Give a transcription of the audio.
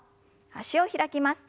脚を開きます。